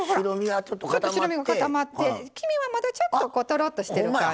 白身が固まって黄身は、まだちょっととろっとしてる感じ。